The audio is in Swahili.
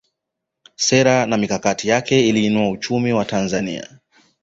sera na mikakati yake iliinua uchumi wa tanzania